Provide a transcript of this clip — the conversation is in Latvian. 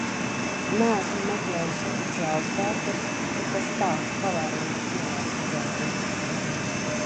Neesmu meklējusi oficiālus datus, bet tas tā, pavērojot ielās redzēto.